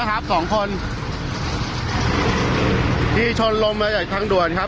นะครับสองคนที่ลงมาจากทางด่วนครับ